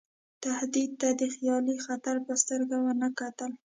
تهدید ته د خیالي خطر په سترګه ونه کتل.